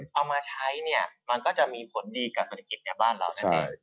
เอามาใช้เนี่ยมันก็จะมีผลดีกับเศรษฐกิจในบ้านเรานั่นเอง